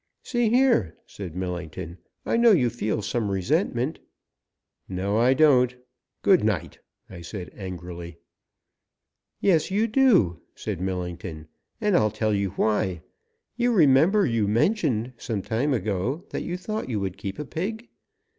"See here," said Millington, "I know you feel some resentment." "No I don't! Good night!" I said angrily. "Yes you do!" said Millington. "And I'll tell you why. You remember you mentioned, some time ago, that you thought you would keep a pig?